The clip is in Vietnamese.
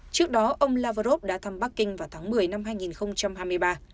trước đó ông lavrov đã thăm bắc kinh vào tháng một mươi năm hai nghìn hai mươi ba